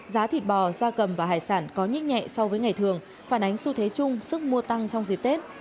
giá thịt bò da cầm và hải sản có nhích nhẹ so với ngày thường phản ánh xu thế chung sức mua tăng trong dịp tết